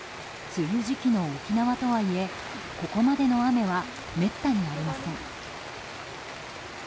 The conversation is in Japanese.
梅雨時期の沖縄とはいえここまでの雨はめったにありません。